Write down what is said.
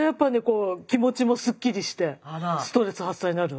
気持ちもすっきりしてストレス発散になるわ。